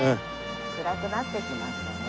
暗くなってきましたね。